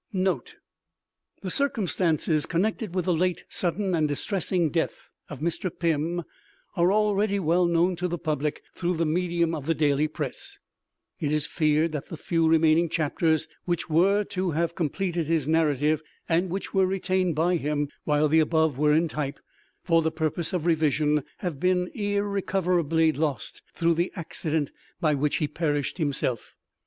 NOTE THE circumstances connected with the late sudden and distressing death of Mr. Pym are already well known to the public through the medium of the daily press. It is feared that the few remaining chapters which were to have completed his narrative, and which were retained by him, while the above were in type, for the purpose of revision, have been irrecoverably lost through the accident by which he perished himself.